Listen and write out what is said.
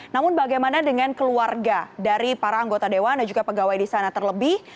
namun bagaimana dengan keluarga dari para anggota dewan dan juga pegawai di sana terlebih